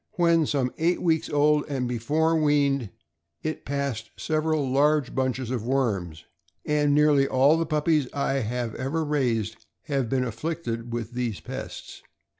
When some eight weeks old, and before weaned, it passed several large bunches of worms; and nearly all the puppies I have ever raised have been afflicted with these pests.